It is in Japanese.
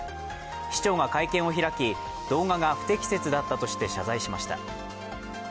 市長が会見を開き動画が不適切だったとして謝罪しました。